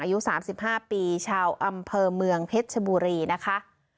อายุสามสิบห้าปีชาวอำเภอเมืองเพชรบุรีนะคะ